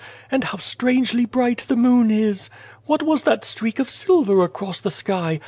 And how strangely bright the moon is ! What was that streak of silver across the sky?